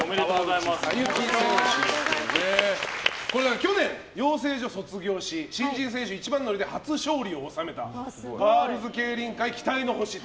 去年、養成所を卒業し新人選手一番乗りで初勝利を収めたガールズ競輪界期待の星と。